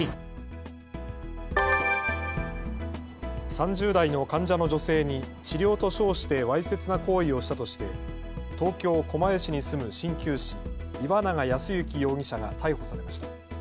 ３０代の患者の女性に治療と称してわいせつな行為をしたとして東京狛江市に住むしんきゅう師、岩永康幸容疑者が逮捕されました。